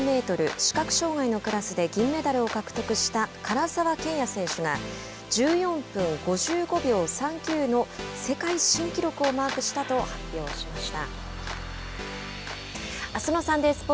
視覚障害のクラスで銀メダルを獲得した唐澤剣也選手が１４分５５秒３９の世界新記録をマークしたと発表しました。